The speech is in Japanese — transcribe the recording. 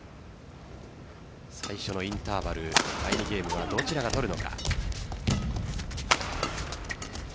最初のインターバル第２ゲームはどちらが取るのか。